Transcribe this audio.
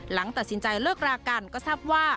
หลังตัดสินใจเลิกรากันก็ทราบว่า